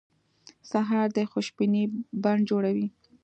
سهار د خوشبینۍ بڼ جوړوي.